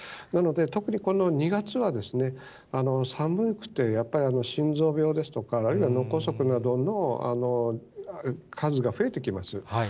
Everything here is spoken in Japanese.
なので、特にこの２月は寒くて、やっぱり心臓病ですとか、あるいは脳梗塞などの数が増えてきます。